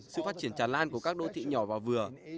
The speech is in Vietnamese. sự phát triển tràn lan của các đô thị nhỏ và vừa